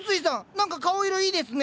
何か顔色いいですね。